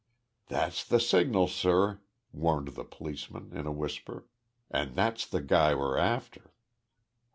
"That's th' signal, sir," warned the policeman in a whisper. "An' that's the guy we're after."